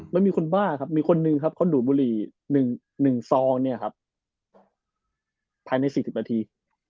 มันมีคนบ้ามีคนนึงนะครับเค้าดูดบุหรี่หนึ่งซองเนี่ยถึงภายในสี่ติประที